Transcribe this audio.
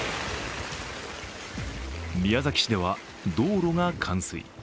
宮崎市では道路が冠水。